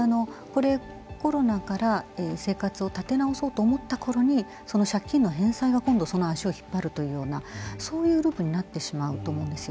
コロナから生活を立て直そうと思ったころにその借金の返済が今度足を引っ張るというようなそういうループになってしまうと思うんですよ。